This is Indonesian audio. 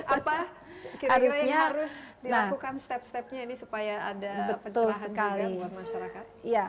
apa kira kira yang harus dilakukan step stepnya ini supaya ada pencerahan juga buat masyarakat